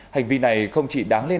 hành vi này không chỉ đáng lên